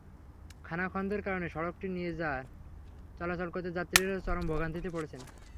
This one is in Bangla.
খানাখন্দের কারণে সড়কটি দিয়ে যান চলাচল করতে যাত্রীরা চরম ভোগান্তিতে পড়ছেন।